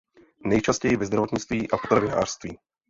Nejčastěji ve zdravotnictví a potravinářství.